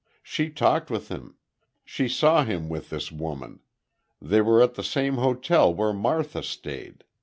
"She talked with him. She saw him with this woman. They were at the same hotel where Martha stayed.